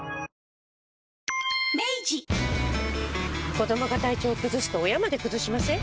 子どもが体調崩すと親まで崩しません？